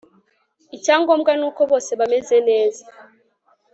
Icyangombwa nuko bose bameze neza